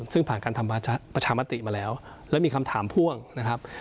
ซึ่งผ่านการทำประชามติมาแล้วแล้วมีคำถามพ่วงนะครับ